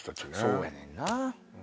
そうやねんな。